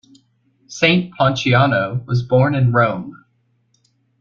Saint Ponciano was born in Rome.